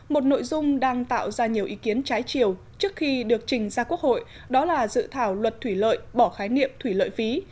một nội dung đang tạo ra nhiều ý kiến trái chiều trước khi được trình ra quốc hội đó là dự thảo luật thủy lợi bỏ khái niệm thủy lợi phí